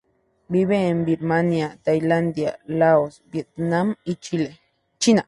Vive en Birmania, Tailandia, Laos, Vietnam y China.